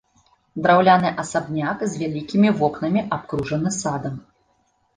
Драўляны асабняк з вялікімі вокнамі абкружаны садам.